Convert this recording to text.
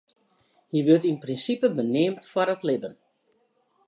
Hja wurde yn prinsipe beneamd foar it libben.